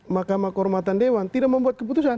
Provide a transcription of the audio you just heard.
mahkamah kehormatan dewan tidak membuat keputusan